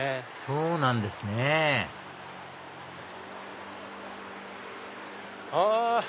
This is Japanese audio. そうなんですねあ！